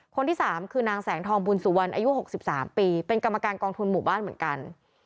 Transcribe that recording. คนที่๓คือนางแสงทองบุญสุวรรณอายุ๖๓ปีเป็นกรรมการกองทุนหมู่บ้านเหมือนกัน